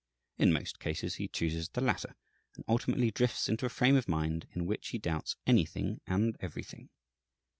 In most cases he chooses the latter, and ultimately drifts into a frame of mind in which he doubts anything and everything.